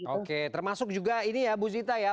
oke termasuk juga ini ya bu zita ya